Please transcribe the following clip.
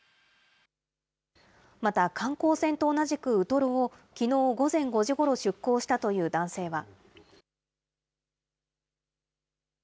また、観光船と同じくウトロをきのう午前５時ごろ出港したという男性は。